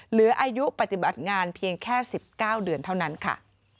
เหลืออายุปฏิบัติงานเพียงแค่๑๙เดือนเท่านั้นค่ะ